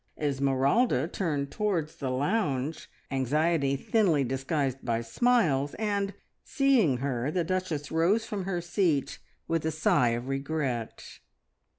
Esmeralda turned towards the lounge, anxiety thinly disguised by smiles, and, seeing her, the Duchess rose from her seat with a sigh of regret.